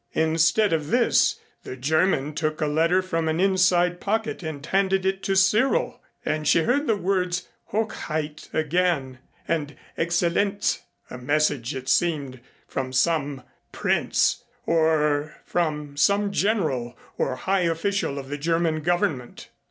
Instead of this the German took a letter from an inside pocket and handed it to Cyril, and she heard the words "Hochheit" again and "Excellenz" a message it seemed from some prince, or from some general or high official of the German Government.